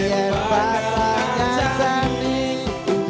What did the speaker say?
rapi ruang dia